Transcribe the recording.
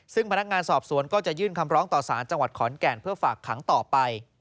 ซึ่งพนักงานสอบสวนก็จะยื่นคำร้องต่อสารจังหวัดขอนแก่นเพื่อฝากขังต่อไป